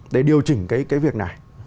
để điều chỉnh cái việc này